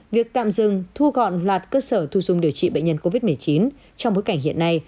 việc tạm dừng thu gọn loạt cơ sở thu dung điều trị bệnh nhân covid một mươi chín trong bối cảnh hiện nay